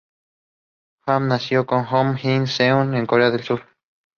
The third generation improved the sales of the Chevrolet Step van.